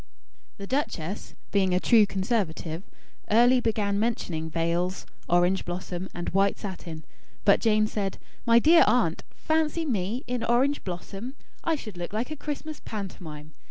The duchess, being a true conservative, early began mentioning veils, orange blossom, and white satin; but Jane said: "My dear Aunt! Fancy me in orange blossom! I should look like a Christmas pantomime.